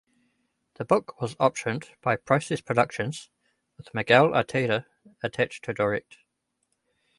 The book was optioned by Process Productions, with Miguel Arteta attached to direct.